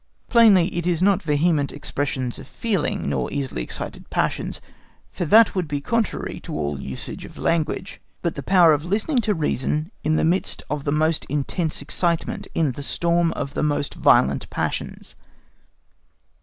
Plainly it is not vehement expressions of feeling, nor easily excited passions, for that would be contrary to all the usage of language, but the power of listening to reason in the midst of the most intense excitement, in the storm of the most violent passions.